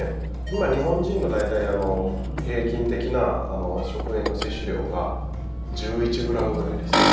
今、日本人の大体平均的な食塩の摂取量が１１ｇくらいですね。